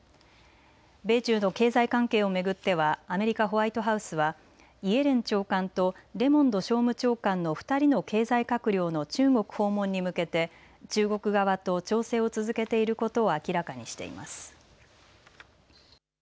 米中の経済関係を巡ってはアメリカ・ホワイトハウスはイエレン長官とレモンド商務長官の２人の経済閣僚の中国訪問に向けて中国側と調整を続けていることを明らかにしています。